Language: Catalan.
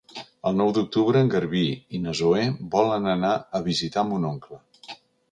El nou d'octubre en Garbí i na Zoè volen anar a visitar mon oncle.